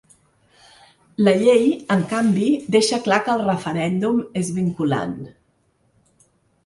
La llei, en canvi, deixa clar que el referèndum és vinculant.